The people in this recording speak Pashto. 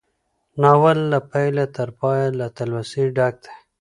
ناول له پيله تر پايه له تلوسې ډک دی.